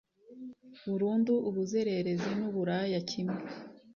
burundu ubuzererezi n uburaya kimwe